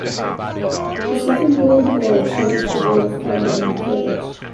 The Second World War changed the way of farming in the village.